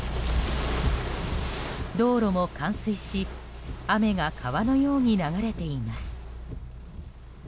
道路も冠水し雨が川のように流れています。